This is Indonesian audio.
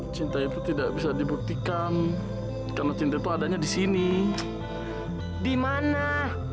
cinta itu tidak bisa dibuktikan karena cinta itu adanya di sini di mana